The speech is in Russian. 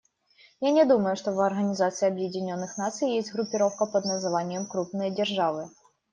Я не думаю, что в Организации Объединенных Наций есть группировка под названием "крупные державы".